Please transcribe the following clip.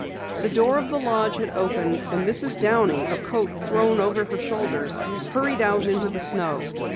The door of the lodge had opened, and Mrs. Downey, a coat thrown over her shoulders, hurried out into the snow.